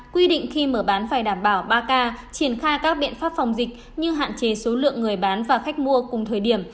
quy định khi mở bán phải đảm bảo ba k triển khai các biện pháp phòng dịch như hạn chế số lượng người bán và khách mua cùng thời điểm